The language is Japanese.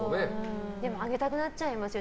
あげたくなっちゃいますよ